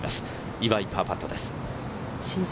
岩井のパーパットです。